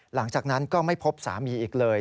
หลังจากนั้นก็ไม่พบสามีอีกเลย